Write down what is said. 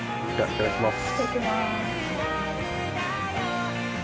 いただきます。